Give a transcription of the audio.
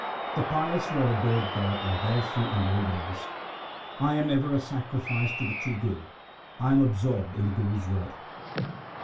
The pious who have adored God are wealthy and very wise. I am ever a sacrifice to the true Guru ; I am absorbed in the Guru's word.